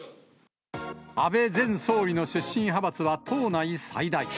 安倍前総理の出身派閥は党内最大。